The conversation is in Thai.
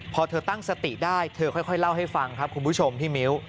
พอเธอตั้งสติได้เธอค่อยเล่าให้ฟังครับคุณผู้ชมพี่มิ้ว